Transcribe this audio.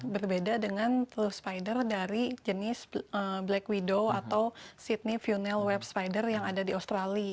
berbeda dengan full spider dari jenis black widow atau sydney funel web spider yang ada di australia